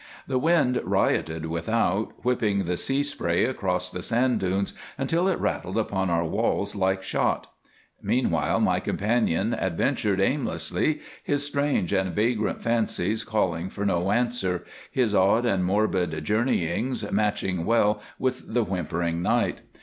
The wind rioted without, whipping the sea spray across the sand dunes until it rattled upon our walls like shot. Meanwhile my companion adventured aimlessly, his strange and vagrant fancies calling for no answer, his odd and morbid journeyings matching well with the whimpering night.